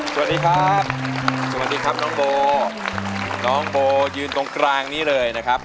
สวัสดีครับสวัสดีครับน้องโบน้องโบยืนตรงกลางนี้เลยนะครับ